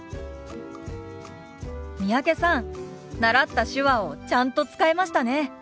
三宅さん習った手話をちゃんと使えましたね。